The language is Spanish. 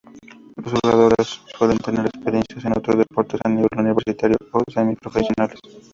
Las jugadoras suelen tener experiencia en otros deportes a nivel universitario o semi-profesionales.